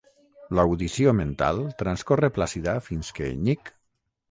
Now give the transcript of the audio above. L'audició mental transcorre plàcida fins que nyic.